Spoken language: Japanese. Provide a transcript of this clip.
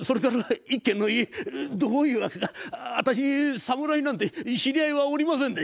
どういうわけか私侍なんて知り合いはおりませんで。